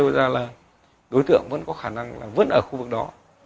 đối tượng vẫn có khả năng vứt ở khu vực đó